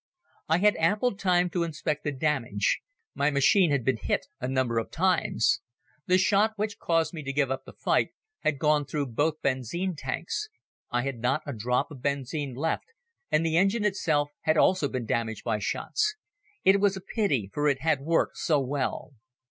I had ample time to inspect the damage. My machine had been hit a number of times. The shot which caused me to give up the fight had gone through both benzine tanks. I had not a drop of benzine left and the engine itself had also been damaged by shots. It was a pity for it had worked so well.